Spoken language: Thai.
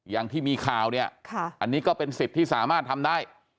อย่างที่มีข่าวเนี่ยอันนี้ก็เป็นสิทธิ์ที่สามารถทำได้